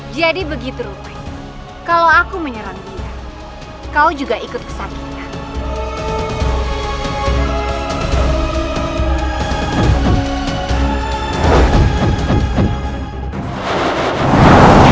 jadi begitu rupi kalau aku menyerang dia kau juga ikut kesakitan